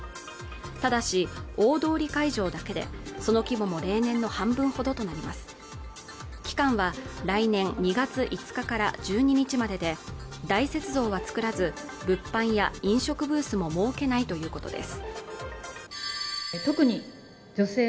ただし大通会場だけでその規模も例年の半分ほどとなります期間は来年２月５日から１２日までで大雪像は造らず物販や飲食ブースも設けないということです